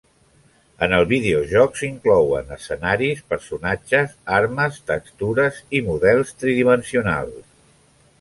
En el videojoc s'inclouen escenaris, personatges, armes, textures i models tridimensionals.